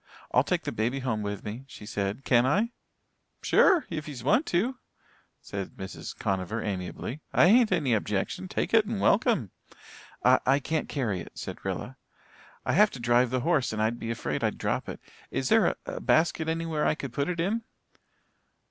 "I'll take the baby home with me," she said. "Can I?" "Sure, if yez wants to," said Mrs. Conover amiably. "I hain't any objection. Take it and welcome." "I I can't carry it," said Rilla. "I have to drive the horse and I'd be afraid I'd drop it. Is there a a basket anywhere that I could put it in?"